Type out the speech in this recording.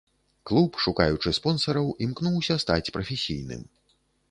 Клуб, шукаючы спонсараў, імкнуўся стаць прафесійным.